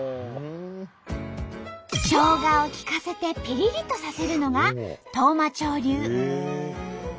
ショウガをきかせてピリリとさせるのが当麻町流。